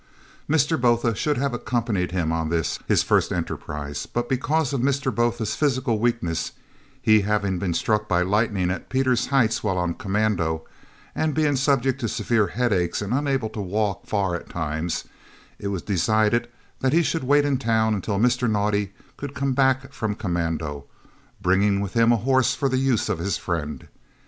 Mr. Botha should have accompanied him on this, his first enterprise; but because of Mr. Botha's physical weakness, he having been struck by lightning at Pieter's Heights while on commando, and being subject to severe headaches and unable to walk far at times, it was decided that he should wait in town until Mr. Naudé could come back from commando, bringing with him a horse for the use of his friend.